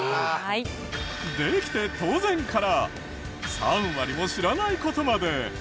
できて当然から３割も知らない事まで。